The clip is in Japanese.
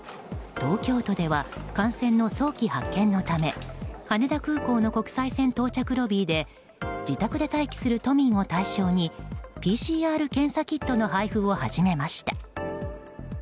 東京都では感染の早期発見のため羽田空港の国際線到着ロビーで自宅で待機する都民を対象にＰＣＲ検査キットの配布を始めました。